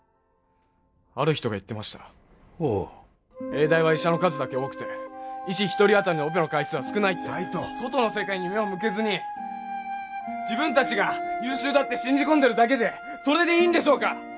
ある人が言ってました永大は医者の数だけ多くて医師一人当たりのオペの数は少ないって外の世界に目を向けずに自分たちが優秀だって信じ込んでるだけでそれでいいんでしょうか！